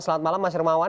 selamat malam mas hermawan